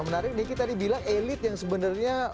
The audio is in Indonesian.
orang orang elitnya sebenarnya